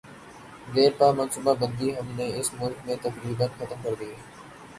دیرپا منصوبہ بندی ہم نے اس ملک میں تقریبا ختم کر دی ہے۔